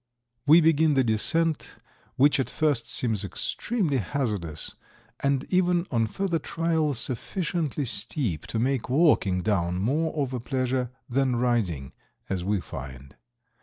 We begin the descent, which at first seems extremely hazardous, and even on further trial sufficiently steep to make walking down more of a pleasure than riding, as we find.